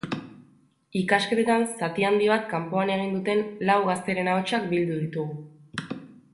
Ikasketen zati bat kanpoan egin duten lau gazteren ahotsak bildu ditugu.